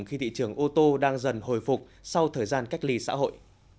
khi thị trường ô tô đang dần hồi phục sau thời gian cách ly xã hội